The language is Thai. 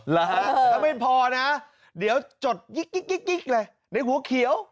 แล้วไม่พอนะเดี๋ยวจดกิ๊กเลยในหัวเขียว